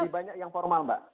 lebih banyak yang formal mbak